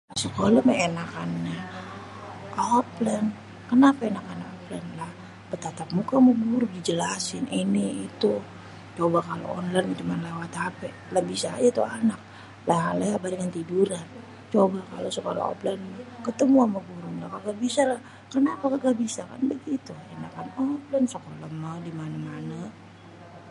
sekolêh mêh ènakkan oflén kenapé ènakkan oplén bertatap mukê amê guru dijelasin ini itu coba kalo onlinê mêh cuma lewat hapé lah bisa ajê tuh anak laha lého sambil tiduran coba kalo sekolêh oplén mêh ketemu amê guru lah kaga bisa lah kenapê kaga bisa kan begitu ènakan oplén sekolêh mêh dimanê-manê.